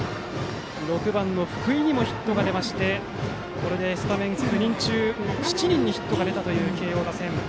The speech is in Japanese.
６番の福井にもヒットが出ましてこれでスタメン９人中、７人にヒットが出たという慶応打線。